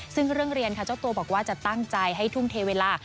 ซึ่งเรื่องเรียนค่ะเจ้าตัวบอกว่าจะตั้งใจให้ทุ่มเทเวลา